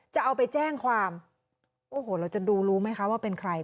จะเอาไปแจ้งความโอ้โหเราจะดูรู้ไหมคะว่าเป็นใคร